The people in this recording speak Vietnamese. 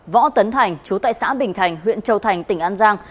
võ tấn thành chú tại xã bình thành huyện châu thành tỉnh an giang